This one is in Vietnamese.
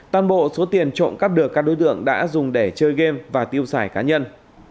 toàn bộ số tiền trộm cắp được các đối tượng đã dùng để chơi game và tiêu xài cá nhân